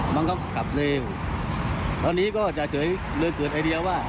บังคับขับเร็วตอนนี้ก็จะเฉยเลยเกิดไอเดียว่า